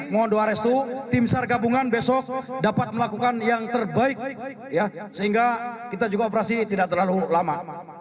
mohon dua arestu tim sargabungan besok dapat melakukan yang terbaik ya sehingga kita juga operasi tidak terlalu lama